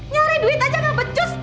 nyari duit aja gak pecus